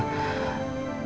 mama apa sih ma